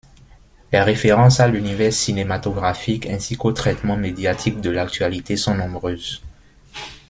Les références à l'univers cinématographique, ainsi qu'au traitement médiatique de l'actualité sont nombreuses.